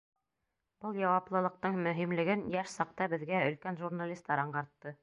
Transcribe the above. Был яуаплылыҡтың мөһимлеген йәш саҡта беҙгә өлкән журналистар аңғартты.